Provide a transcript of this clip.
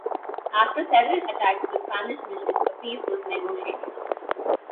After several attacks on the Spanish mission, a peace was negotiated.